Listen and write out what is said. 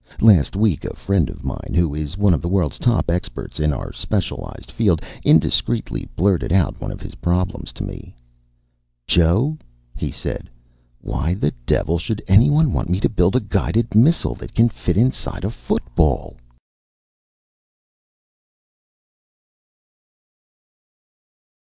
Last week a friend of mine, who is one of the world's top experts in our specialized field, indiscreet ly blurted out one of his problems to me. "Joe," he said, "why the devil should anyone want me to build a guided missile that can fit in side a football?"